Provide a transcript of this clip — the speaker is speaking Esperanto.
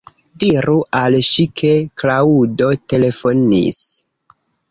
Diru al ŝi ke Klaŭdo telefonis.